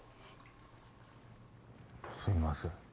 すいません